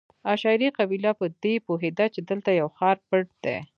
عشایري قبیله په دې پوهېده چې دلته یو ښار پټ دی.